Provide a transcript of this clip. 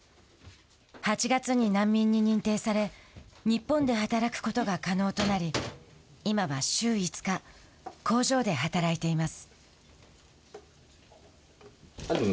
８月に難民に認定され日本で働くことが可能となり今は週５日工場で働いています。